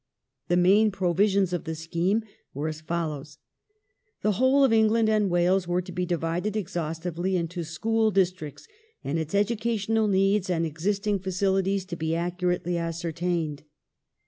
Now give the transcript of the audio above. The main provisions of the scheme were as follows : The whole of England and Wales was to be divided exhaustively into school districts and its educational needs and existing facilities to be accurately ascertained.